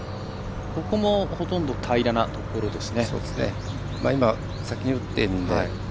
ここも、ほとんど平らなところです。